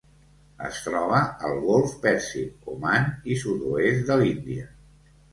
Es troba al Golf Pèrsic, Oman i sud-oest de l'Índia.